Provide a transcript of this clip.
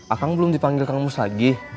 akang belum dipanggil kang mus lagi